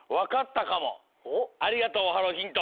ありがとうオハローヒント。